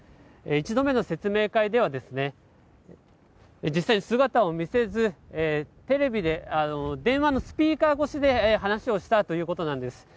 １度目の説明会では実際、姿を見せず電話のスピーカー越しに話をしたということです。